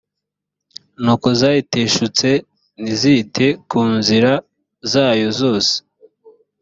kuko zayiteshutse ntizite ku nzira zayo zose